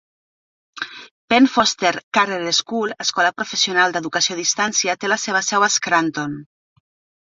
Penn Foster Career School, escola professional d'educació a distància, té la seva seu a Scranton.